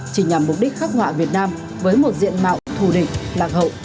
chỉ nhằm mục đích khắc họa việt nam với một diện mạo thù địch lạc hậu